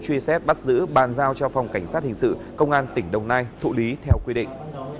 truy xét bắt giữ bàn giao cho phòng cảnh sát hình sự công an tỉnh đồng nai thụ lý theo quy định